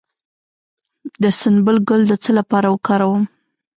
د سنبل ګل د څه لپاره وکاروم؟